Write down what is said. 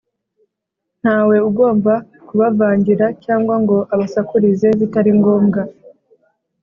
Nta we ugomba kubavangira cyangwa ngo abasakurize bitari ngombwa